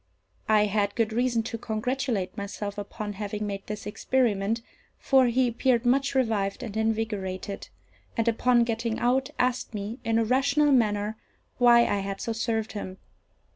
I had good reason to congratulate myself upon having made this experiment; for he appeared much revived and invigorated, and, upon getting out, asked me, in a rational manner, why I had so served him.